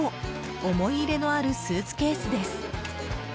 思い入れのあるスーツケースです。